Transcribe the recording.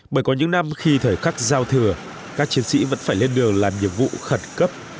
bởi có những năm khi thời khắc giao thừa các chiến sĩ vẫn phải lên đường làm nhiệm vụ khẩn cấp